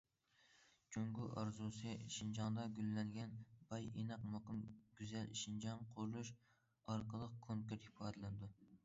‹‹ جۇڭگو ئارزۇسى›› شىنجاڭدا گۈللەنگەن، باي، ئىناق، مۇقىم گۈزەل شىنجاڭ قۇرۇش ئارقىلىق كونكرېت ئىپادىلىنىدۇ.